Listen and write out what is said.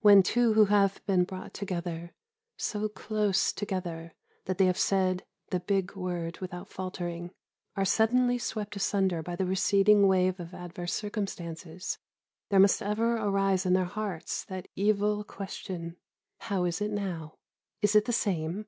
When two who have been brought together, so close together that they have said the "big word" without faltering, are suddenly swept asunder by the receding wave of adverse circumstances, there must ever arise in their hearts that evil question, "How is it now? Is it the same?